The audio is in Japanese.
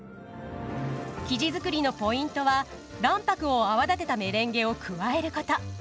生地作りのポイントは卵白を泡立てたメレンゲを加えること。